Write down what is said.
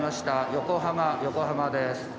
横浜横浜です。